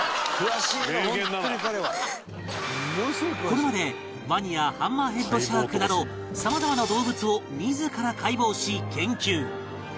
これまでワニやハンマーヘッドシャークなど様々な動物を自ら解剖し研究